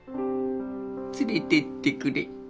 連れてってくれ。